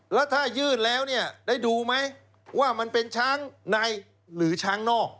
แล้วถ้ายื่นแล้วเนี่ยได้ดูไหมว่ามันเป็นช้างในหรือช้างนอก